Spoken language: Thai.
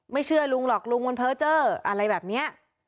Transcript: เชื่อลุงหรอกลุงมันเพ้อเจอร์อะไรแบบนี้